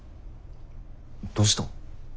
どうした？